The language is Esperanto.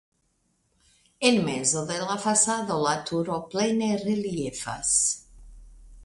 En mezo de la fasado la turo plene reliefas.